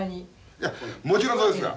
いやもちろんそうですわ。